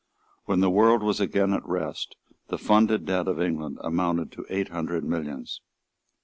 When the world was again at rest the funded debt of England amounted to eight hundred millions.